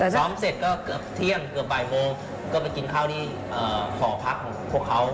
ซ้อมเสร็จก็เกือบเที่ยงเกือบบ่ายโมงก็ไปกินข้าวที่หอพักของพวกเขา